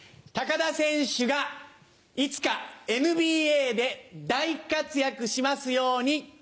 田選手がいつかＮＢＡで大活躍しますように。